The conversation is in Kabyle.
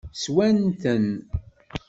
Swan-ten?